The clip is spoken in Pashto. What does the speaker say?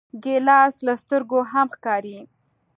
ګیلاس له سترګو هم ښکاري.